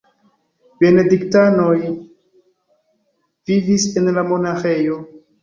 Benediktanoj vivis en la monaĥejo.